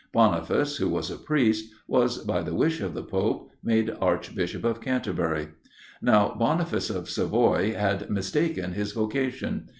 Boniface, who was a priest, was, by the wish of the Pope, made Archbishop of Canterbury. Now, Boniface of Savoy had mistaken his vocation.